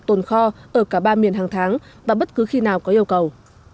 tồn kho ở cả ba miền hàng tháng và bất cứ khi nào có yêu cầu